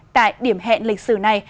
tại điểm hẹn lịch sử này